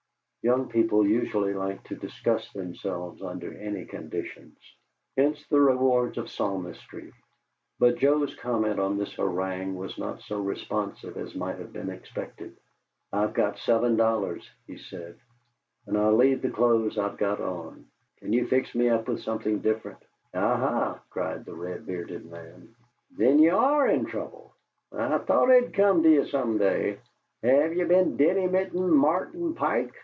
Young people usually like to discuss themselves under any conditions hence the rewards of palmistry, but Joe's comment on this harangue was not so responsive as might have been expected. "I've got seven dollars," he said, "and I'll leave the clothes I've got on. Can you fix me up with something different?" "Aha!" cried the red bearded man. "Then ye ARE in trouble! I thought it 'd come to ye some day! Have ye been dinnymitin' Martin Pike?"